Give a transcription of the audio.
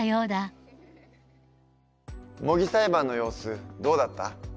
模擬裁判の様子どうだった？